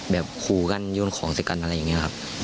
ขู่กันโยนของใส่กันอะไรอย่างนี้ครับ